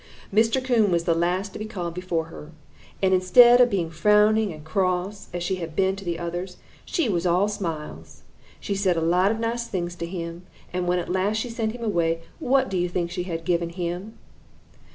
"Mr. Coon was the last to be called before her, and instead of being frowning and cross, as she had been to the others, she was all smiles. She said a lot of nice things to him, and when at last she sent him away, what do you think she had given him?"